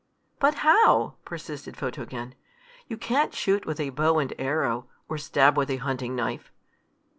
"But how?" persisted Photogen. "You can't shoot with bow and arrow, or stab with a hunting knife."